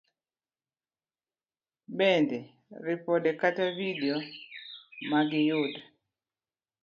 Bende, ripode kata vidio ma giyud